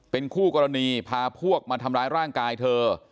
เป็นคู่กรณีพาพวกมาทำร้ายร่างกายเธอ